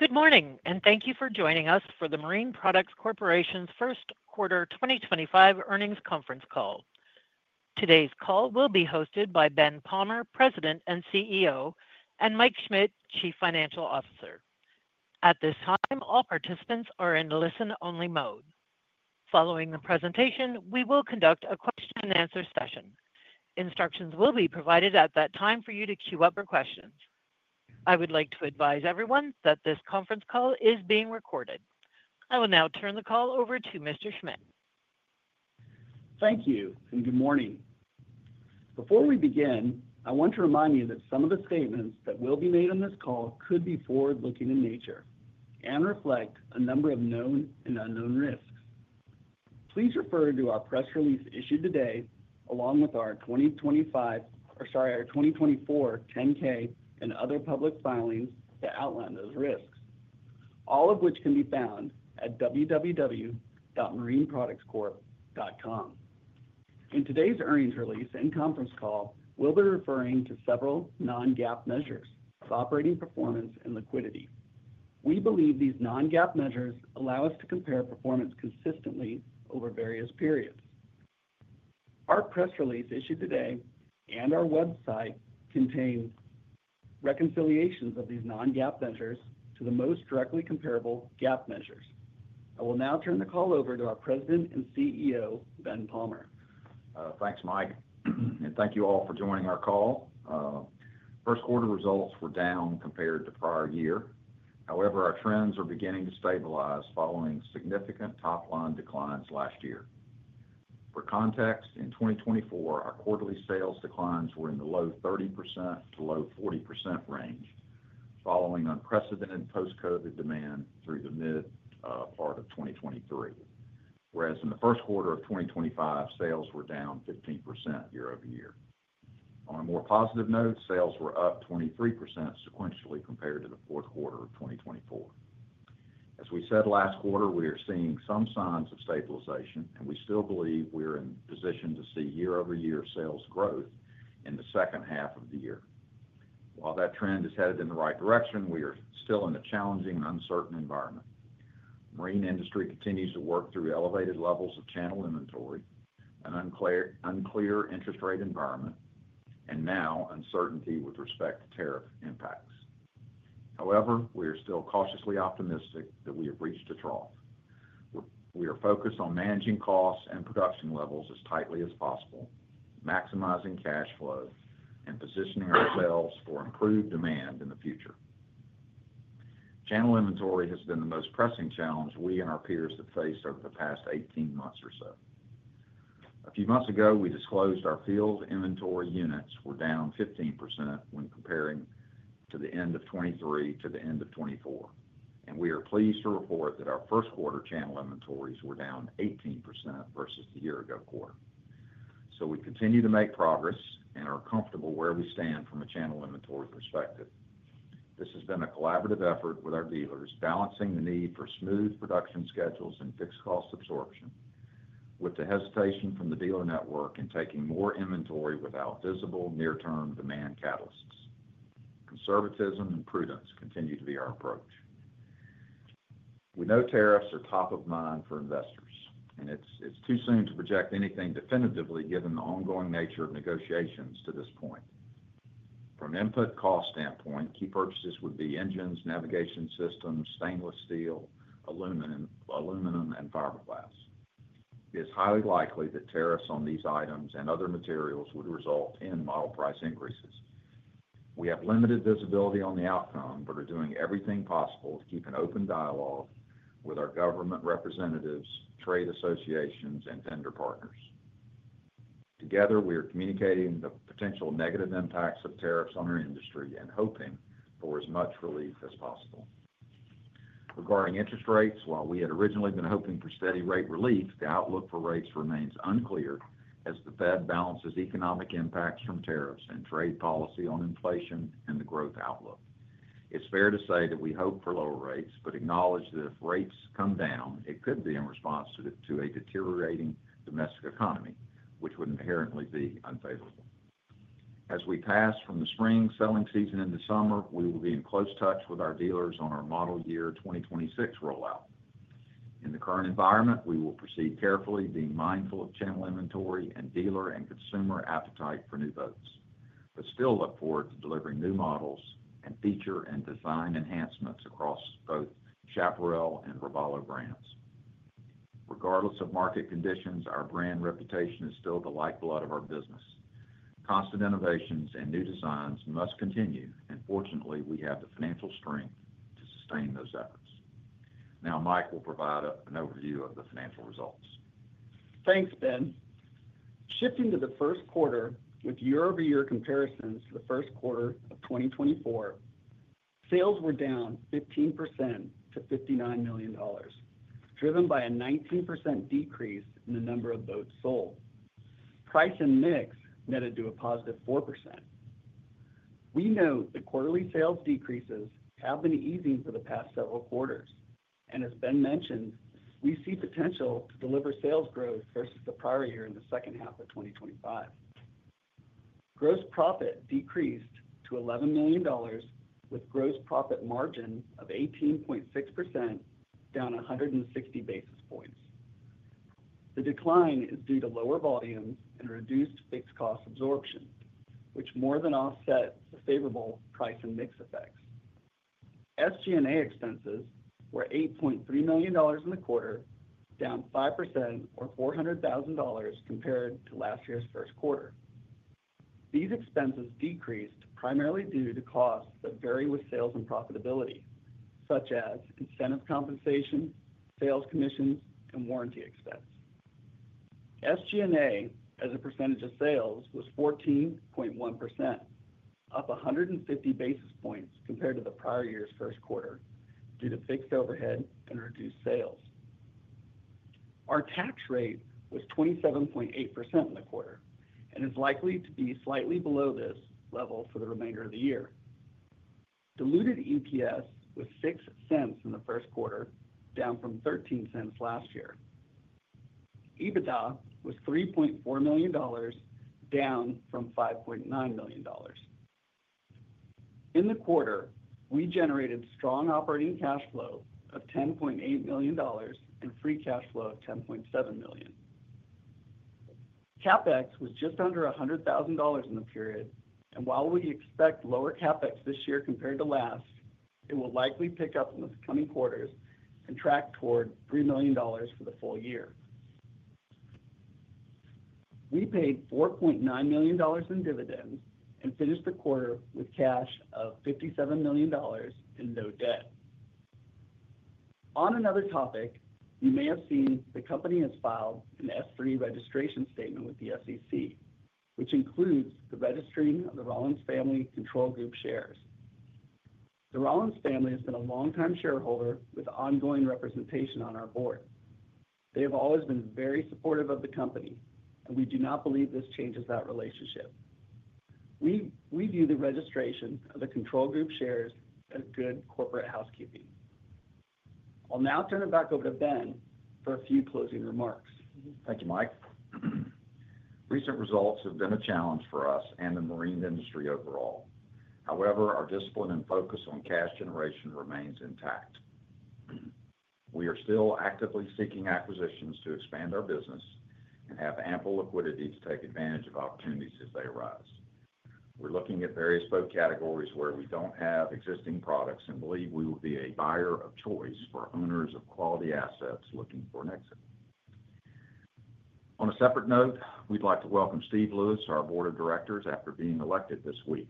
Good morning, and thank you for joining us for the Marine Products Corporation's First Quarter 2025 Earnings Conference Call. Today's call will be hosted by Ben Palmer, President and CEO, and Mike Schmit, Chief Financial Officer. At this time, all participants are in listen-only mode. Following the presentation, we will conduct a question-and-answer session. Instructions will be provided at that time for you to queue up your questions. I would like to advise everyone that this conference call is being recorded. I will now turn the call over to Mr. Schmit. Thank you, and good morning. Before we begin, I want to remind you that some of the statements that will be made on this call could be forward-looking in nature and reflect a number of known and unknown risks. Please refer to our press release issued today, along with our 2024 10-K and other public filings, to outline those risks, all of which can be found at www.marineproductscorp.com. In today's earnings release and conference call, we'll be referring to several Non-GAAP measures of operating performance and liquidity. We believe these Non-GAAP measures allow us to compare performance consistently over various periods. Our press release issued today and our website contain reconciliations of these Non-GAAP measures to the most directly comparable GAAP measures. I will now turn the call over to our President and CEO, Ben Palmer. Thanks, Mike, and thank you all for joining our call. First quarter results were down compared to prior year. However, our trends are beginning to stabilize following significant top-line declines last year. For context, in 2024, our quarterly sales declines were in the low 30%-low 40% range, following unprecedented post-COVID demand through the mid-part of 2023, whereas in the first quarter of 2025, sales were down 15% year-over-year. On a more positive note, sales were up 23% sequentially compared to the fourth quarter of 2024. As we said last quarter, we are seeing some signs of stabilization, and we still believe we are in position to see year-over-year sales growth in the second half of the year. While that trend is headed in the right direction, we are still in a challenging and uncertain environment. Marine industry continues to work through elevated levels of channel inventory, an unclear interest rate environment, and now uncertainty with respect to tariff impacts. However, we are still cautiously optimistic that we have reached a trough. We are focused on managing costs and production levels as tightly as possible, maximizing cash flow, and positioning ourselves for improved demand in the future. Channel inventory has been the most pressing challenge we and our peers have faced over the past 18 months or so. A few months ago, we disclosed our field inventory units were down 15% when comparing to the end of 2023 to the end of 2024, and we are pleased to report that our first quarter channel inventories were down 18% versus the year-ago quarter. We continue to make progress and are comfortable where we stand from a channel inventory perspective. This has been a collaborative effort with our dealers, balancing the need for smooth production schedules and fixed cost absorption, with the hesitation from the dealer network in taking more inventory without visible near-term demand catalysts. Conservatism and prudence continue to be our approach. We know tariffs are top of mind for investors, and it's too soon to project anything definitively given the ongoing nature of negotiations to this point. From an input cost standpoint, key purchases would be engines, navigation systems, stainless steel, aluminum, and fiberglass. It is highly likely that tariffs on these items and other materials would result in model price increases. We have limited visibility on the outcome but are doing everything possible to keep an open dialogue with our government representatives, trade associations, and vendor partners. Together, we are communicating the potential negative impacts of tariffs on our industry and hoping for as much relief as possible. Regarding interest rates, while we had originally been hoping for steady rate relief, the outlook for rates remains unclear as the Fed balances economic impacts from tariffs and trade policy on inflation and the growth outlook. It's fair to say that we hope for lower rates but acknowledge that if rates come down, it could be in response to a deteriorating domestic economy, which would inherently be unfavorable. As we pass from the spring selling season into summer, we will be in close touch with our dealers on our model year 2026 rollout. In the current environment, we will proceed carefully, being mindful of channel inventory and dealer and consumer appetite for new boats, but still look forward to delivering new models and feature and design enhancements across both Chaparral and Robalo brands. Regardless of market conditions, our brand reputation is still the lifeblood of our business. Constant innovations and new designs must continue, and fortunately, we have the financial strength to sustain those efforts. Now, Mike will provide an overview of the financial results. Thanks, Ben. Shifting to the first quarter, with year-over-year comparisons to the first quarter of 2024, sales were down 15% to $59 million, driven by a 19% decrease in the number of boats sold. Price and mix netted to a positive 4%. We know that quarterly sales decreases have been easing for the past several quarters, and as Ben mentioned, we see potential to deliver sales growth versus the prior year in the second half of 2025. Gross profit decreased to $11 million, with gross profit margin of 18.6%, down 160 basis points. The decline is due to lower volumes and reduced fixed cost absorption, which more than offsets the favorable price and mix effects. SG&A expenses were $8.3 million in the quarter, down 5% or $400,000 compared to last year's first quarter. These expenses decreased primarily due to costs that vary with sales and profitability, such as incentive compensation, sales commissions, and warranty expense. SG&A, as a percentage of sales, was 14.1%, up 150 basis points compared to the prior year's first quarter due to fixed overhead and reduced sales. Our tax rate was 27.8% in the quarter and is likely to be slightly below this level for the remainder of the year. Diluted EPS was $0.06 in the first quarter, down from $0.13 last year. EBITDA was $3.4 million, down from $5.9 million. In the quarter, we generated strong operating cash flow of $10.8 million and free cash flow of $10.7 million. CapEx was just under $100,000 in the period, and while we expect lower CapEx this year compared to last, it will likely pick up in the coming quarters and track toward $3 million for the full year. We paid $4.9 million in dividends and finished the quarter with cash of $57 million and no debt. On another topic, you may have seen the company has filed an S-3 registration statement with the SEC, which includes the registering of the Rollins Family Control Group shares. The Rollins Family has been a longtime shareholder with ongoing representation on our board. They have always been very supportive of the company, and we do not believe this changes that relationship. We view the registration of the Control Group shares as good corporate housekeeping. I'll now turn it back over to Ben for a few closing remarks. Thank you, Mike. Recent results have been a challenge for us and the marine industry overall. However, our discipline and focus on cash generation remains intact. We are still actively seeking acquisitions to expand our business and have ample liquidity to take advantage of opportunities as they arise. We're looking at various boat categories where we don't have existing products and believe we will be a buyer of choice for owners of quality assets looking for an exit. On a separate note, we'd like to welcome Steve Lewis to our board of directors after being elected this week.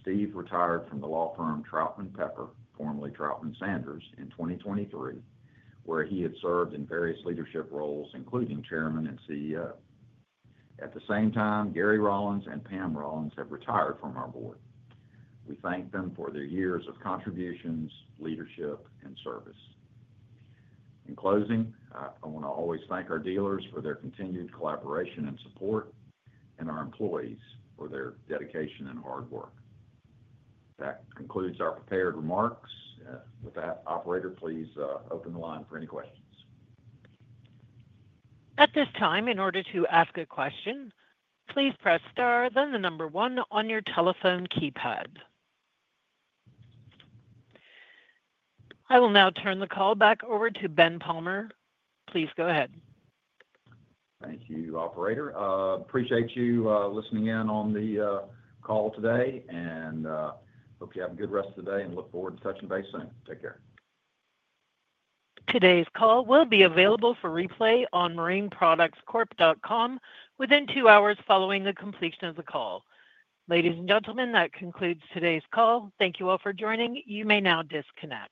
Steve retired from the law firm Troutman Pepper, formerly Troutman Sanders, in 2023, where he had served in various leadership roles, including Chairman and CEO. At the same time, Gary Rollins and Pam Rollins have retired from our board. We thank them for their years of contributions, leadership, and service. In closing, I want to always thank our dealers for their continued collaboration and support and our employees for their dedication and hard work. That concludes our prepared remarks. With that, operator, please open the line for any questions. At this time, in order to ask a question, please press star, then the number one on your telephone keypad. I will now turn the call back over to Ben Palmer. Please go ahead. Thank you, operator. Appreciate you listening in on the call today, and hope you have a good rest of the day and look forward to touching base soon. Take care. Today's call will be available for replay on marineproductscorp.com within two hours following the completion of the call. Ladies and gentlemen, that concludes today's call. Thank you all for joining. You may now disconnect.